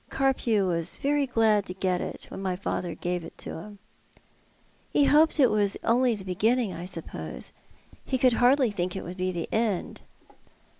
Carpew was very glad to get it when my father gave it to him." " Ho hoped it was only the boginuiog, I suppose. He could hardly think it would be the end."